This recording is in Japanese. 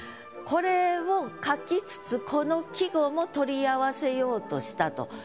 これを書きつつこの季語も取り合わせようとしたと。